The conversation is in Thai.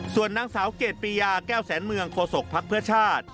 ส่วนนางสาวเกรดปียาแก้วแสนเมืองโฆษกภักดิ์เพื่อชาติ